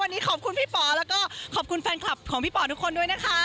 วันนี้ขอบคุณพี่ป๋อแล้วก็ขอบคุณแฟนคลับของพี่ป๋อทุกคนด้วยนะคะ